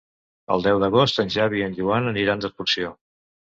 El deu d'agost en Xavi i en Joan aniran d'excursió.